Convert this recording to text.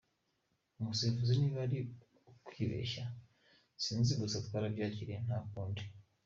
Umusifuzi niba ari ukwibeshya sinzi gusa turabyakiriye nta kundi.